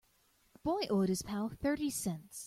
The boy owed his pal thirty cents.